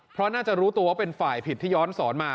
เพราะน่าจะรู้ตัวว่าเป็นฝ่ายผิดที่ย้อนสอนมา